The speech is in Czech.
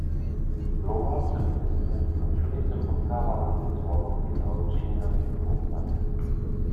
Bloumal jsem městem a všude jsem potkával lidi s monokly a odřeninami a obvazy.